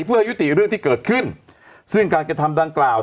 เพื่อยุติเรื่องที่เกิดขึ้นซึ่งการกระทำดังกล่าว